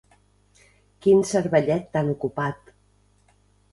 Quin cervellet tan ocupat.